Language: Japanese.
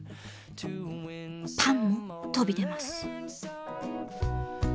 パンも飛び出ます。